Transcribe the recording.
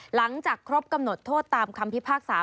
หลังจากครบกำหนดโทษตามคำพิพากษา